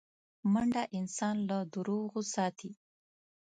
منډه انسان له دروغو ساتي